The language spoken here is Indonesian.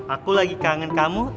aku lagi kangen kamu